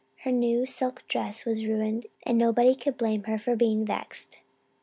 Her new silk dress was ruined and nobody could blame her for being vexed.